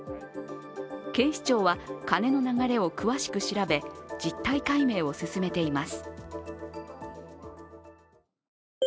警視庁は金の流れを詳しく調べ実態解明を進めています。